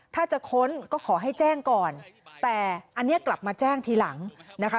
ถ้าจะค้นก็ขอให้แจ้งก่อนแต่อันนี้กลับมาแจ้งทีหลังนะคะ